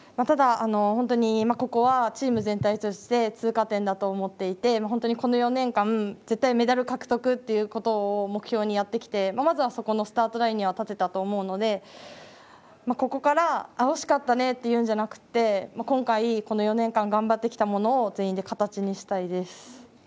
ただ、本当にここはチーム全体として通過点だと思っていて本当にこの４年間絶対メダル獲得ということを目標にやってきてまずはそこのスタートラインには立てたと思うのでここから、惜しかったねって言うんじゃなくて今回、この４年間頑張ってきたものを全員で形にしたいです。